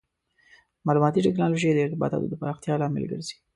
مالوماتي ټکنالوژي د ارتباطاتو د پراختیا لامل ګرځي.